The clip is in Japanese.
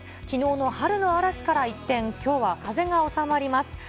きのうの春の嵐から一転、きょうは風が収まります。